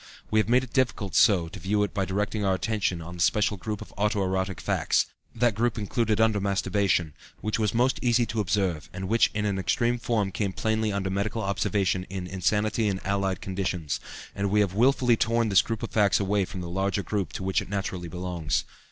We have made it difficult so to view it by directing our attention on the special group of auto erotic facts that group included under masturbation which was most easy to observe and which in an extreme form came plainly under medical observation in insanity and allied conditions, and we have wilfully torn this group of facts away from the larger group to which it naturally belongs.